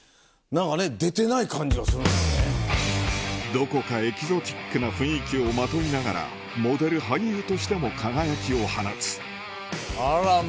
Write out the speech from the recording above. どこかエキゾチックな雰囲気をまといながらモデル俳優としても輝きを放つあらま！